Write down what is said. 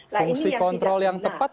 fungsi kontrol yang tepat